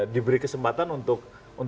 diberi kesempatan untuk